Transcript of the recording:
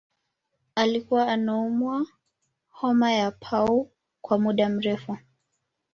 alikuwa anaumwa homa ya pau kwa muda mrefu